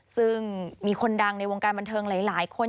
ซึ่งมีคนดังในวงการบันเทิงหลายคน